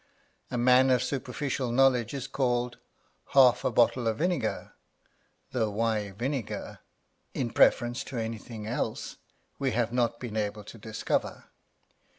A man of superficial knowledge is called half a bottle of vinegar, though why vinegar, in preference to anything else, we have not been able to discover.